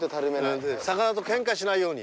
魚とケンカしないように。